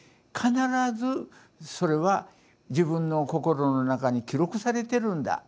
必ずそれは自分の心の中に記録されてるんだ。